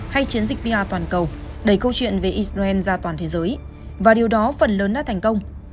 hay chiến dịch pa toàn cầu đẩy câu chuyện về israel ra toàn thế giới và điều đó phần lớn đã thành công